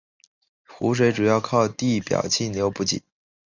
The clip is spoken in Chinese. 湖水主要靠地表径流补给。